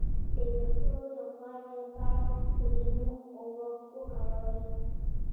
د ویښتو د غوړ لپاره د لیمو اوبه وکاروئ